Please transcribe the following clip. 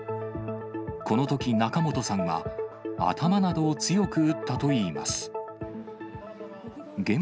このとき、仲本さんは頭などを強く打ったといいます。